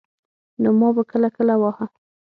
نو ما به کله کله واهه.